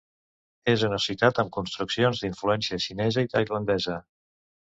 És una ciutat amb construccions d'influència xinesa i tailandesa.